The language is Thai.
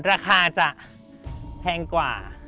ราคาจะแพงกว่า